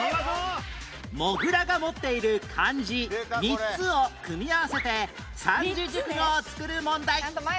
モグラが持っている漢字３つを組み合わせて三字熟語を作る問題